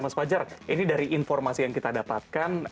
mas fajar ini dari informasi yang kita dapatkan